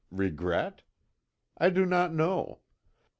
Regret? I do not know.